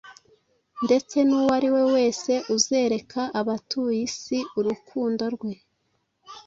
ndetse n’uwo ari we wese uzereka abatuye isi urukundo rwe,